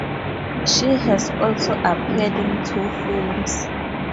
She has also appeared in two films.